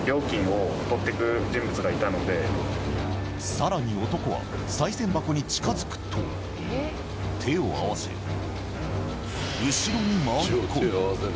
更に男は、さい銭箱に近づくと手を合わせ、後ろに回り込む。